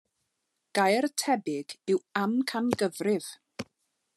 Gair tebyg yw amcangyfrif.